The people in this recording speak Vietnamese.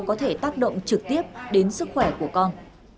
có thể tác động trực tiếp đến sức khỏe của con